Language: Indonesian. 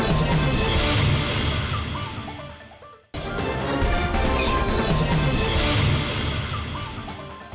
ini segmen terakhir